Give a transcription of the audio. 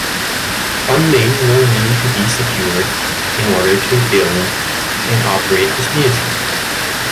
Funding will need to be secured in order to build and operate this museum.